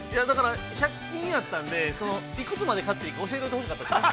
◆１００均やったので幾つまで買っていいか、教えてもらっておいてほしかったですね。